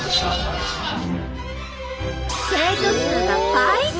生徒数が倍増！